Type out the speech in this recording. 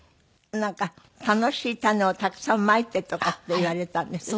なんか楽しい種をたくさんまいてとかって言われたんですって？